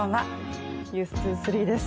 「ｎｅｗｓ２３」です。